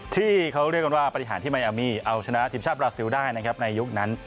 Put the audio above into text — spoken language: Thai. ที่เขาเรียกกันว่าปฏิหารที่มายอามีเอาชนะทีมชาติบราซิลได้นะครับในยุคนั้น